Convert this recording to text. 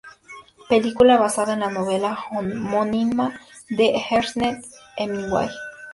Película basada en la novela homónima de Ernest Hemingway.